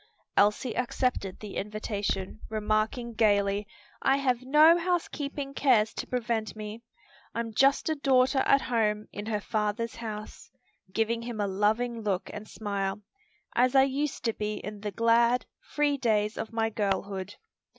Elsie accepted the invitation, remarking gayly, "I have no housekeeping cares to prevent me. I'm just a daughter at home in her father's house," giving him a loving look and smile, "as I used to be in the glad, free days of my girlhood."